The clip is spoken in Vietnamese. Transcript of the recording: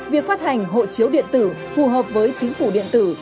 việc phát hành hộ chiếu điện tử phù hợp với chính phủ điện tử